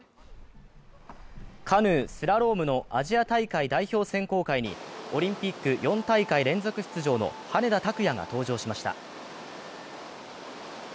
カヌー・スラロームのアジア大会代表選考会にオリンピック４大会連続出場の羽根田卓也が登場しました。